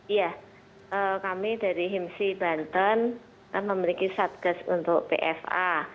iya kami dari himsi banten memiliki satgas untuk pfa